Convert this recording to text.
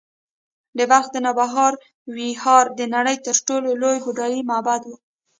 د بلخ د نوبهار ویهار د نړۍ تر ټولو لوی بودایي معبد و